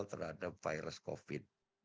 terhadap virus covid